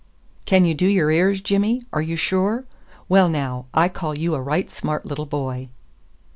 "Can you do your ears, Jimmy? Are you sure? Well, now, I call you a right smart little boy."